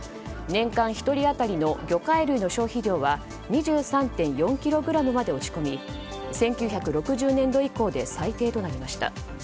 年間１人当たりの魚介類の消費量は２３．４ｋｇまで落ち込み１９６０年度以降で最低となりました。